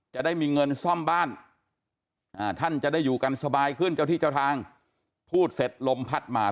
จะได้มีเงินซ่อมบ้านท่านจะได้อยู่กันสบายขึ้นเจ้าที่เจ้าทางพูดเสร็จลมพัดมา